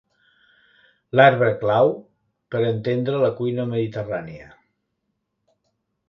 L'arbre clau per entendre la cuina mediterrània.